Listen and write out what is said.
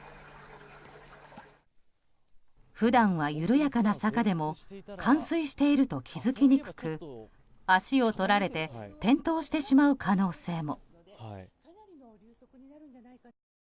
普段は緩やかな坂でも冠水していると気づきにくく足を取られて転倒してしまう可能性も。